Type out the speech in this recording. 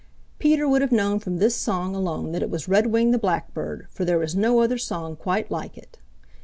Peter would have known from this song alone that it was Redwing the Blackbird, for there is no other song quite like it.